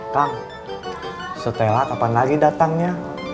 kang setelah kapan lagi datangnya